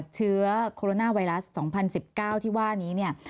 เชื้อโคโรนาไวรัส๒๐๑๙ที่ว่านี้เนี่ย